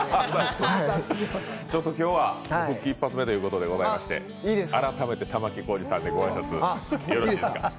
今日は復帰一発目ということでございまして、改めて玉置浩二さんでご挨拶よろしいですか？